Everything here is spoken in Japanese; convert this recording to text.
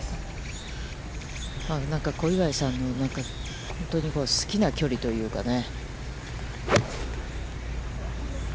なんか小祝さんの本当に好きな距離というかね。